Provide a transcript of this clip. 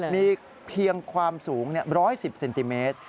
มีเพียงความสูง๑๑๐เซนติเมตร